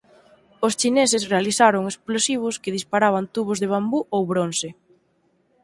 Os chineses realizaron explosivos que disparaban tubos de bambú ou bronce.